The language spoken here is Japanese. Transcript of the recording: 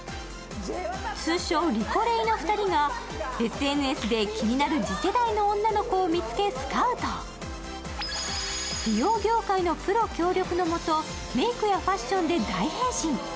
通称・リコレイの２人がＳＮＳで気になる次世代の女の子を見つけ、スカウト美容業界のプロ協力の下、メイクやファッションで大変身。